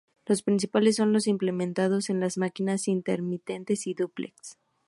Los principales son los implementados en las máquinas Intermitente y Dúplex.